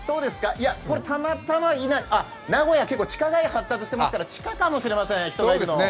いや、これ、たまたまいないあっ、名古屋は結構地下街が発達していますから、地下かもしれません、人がいるの。